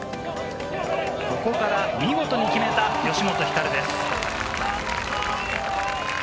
ここから見事に決めた吉本ひかるです。